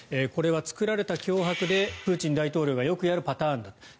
これは作られた脅迫でプーチン大統領がよくやるパターンだと。